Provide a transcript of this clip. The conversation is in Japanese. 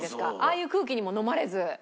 ああいう空気にものまれず。